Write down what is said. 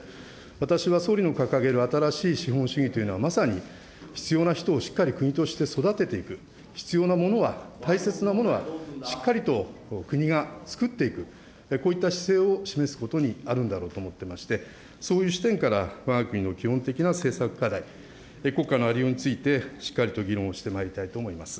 私は総理の掲げる新しい資本主義というのは、まさに必要な人をしっかり国として育てていく、必要なものは、大切なものは、しっかりと国がつくっていく、こういった姿勢を示すことにあるんだろうと思っていまして、そういう視点から、わが国の基本的な政策課題、国家のありようについてしっかりと議論をしてまいりたいと思います。